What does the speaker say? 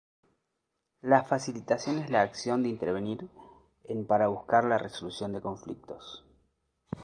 La "facilitación" es la acción de intervenir en para buscar la resolución de conflictos.